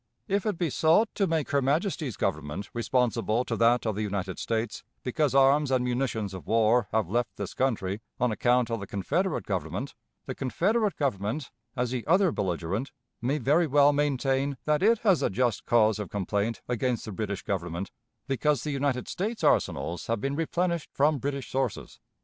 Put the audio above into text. "If it be sought to make her Majesty's Government responsible to that of the United States because arms and munitions of war have left this country on account of the Confederate Government, the Confederate Government, as the other belligerent, may very well maintain that it has a just cause of complaint against the British Government because the United States arsenals have been replenished from British sources.